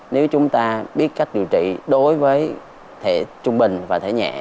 nếu chúng ta biết cách điều trị đối với thể trung bình và thể nhẹ